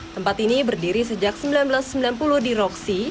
tempat ini berdiri sejak seribu sembilan ratus sembilan puluh di roksi